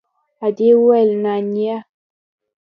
ادې وويل نانيه.